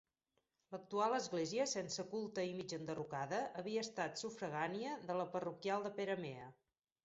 L'actual església, sense culte i mig enderrocada, havia estat sufragània de la parroquial de Peramea.